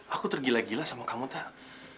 aku tergila gila sama kamu tahu